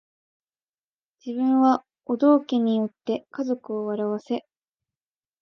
自分はお道化に依って家族を笑わせ